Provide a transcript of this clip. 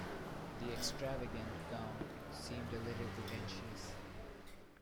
The extravagant gown seemed a little pretentious.